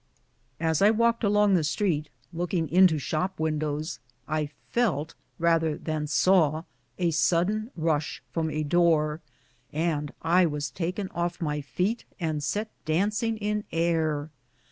As I walked along the street, looking into shop windows, I felt, rather than saw, a sudden rush from a door, and I was taken off my feet and set dancing in air.